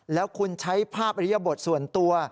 แล้วคุณใช้ภาพอริยบทส่วนตัว